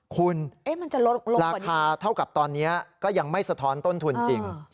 คุณราคาเท่ากับตอนนี้ก็ยังไม่สะท้อนต้นทุนจริง